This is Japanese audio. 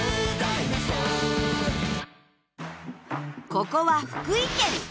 ここは福井県。